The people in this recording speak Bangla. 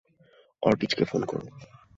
অর্টিজকে ফোন করো।